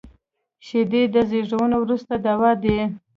شیدې د زیږون وروسته دوا دي